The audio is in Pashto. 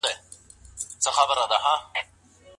که خاوند او ميرمن په ګډ ژوند کي ضررونه وليدل؟